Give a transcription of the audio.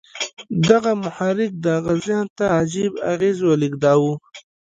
دغه محرک د هغه ذهن ته عجيبه اغېز ولېږداوه.